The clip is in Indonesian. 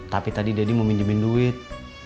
tapi tadi daddy mau minjemin duit